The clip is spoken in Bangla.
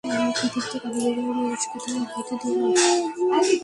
পৃথিবীতে কাফিরদের কোন গৃহবাসীকে তুমি অব্যাহতি দিও না।